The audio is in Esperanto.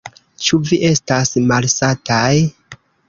Ĉu vi estas malsataj?